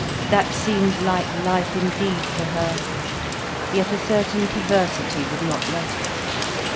That seemed like life indeed to her. Yet a certain perversity would not let her.